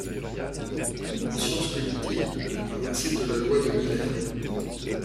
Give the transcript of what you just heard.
En sciences cognitives, on parle ainsi de la Loi de Miller.